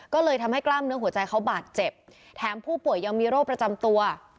ก็เลยทำให้กล้ามเนื้อหัวใจเขาบาดเจ็บแถมผู้ป่วยยังมีโรคประจำตัว